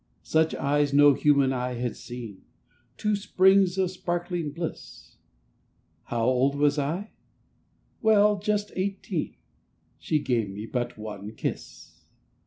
Such eyes no human eye had seen — Two springs of sparkling bliss ... How old was I? Well, just eighteen — She gave me but one kiss